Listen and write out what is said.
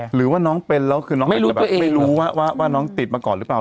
หรือว่าน้องเป็นแล้วคือน้องไม่รู้ว่าน้องติดมาก่อนหรือเปล่า